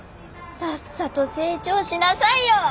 さっさと成長しなさいよ！